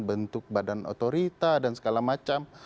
bentuk badan otorita dan segala macam